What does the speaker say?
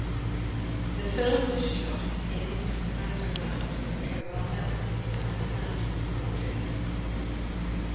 The film was shot in and around the Kerala and Tamil Nadu border.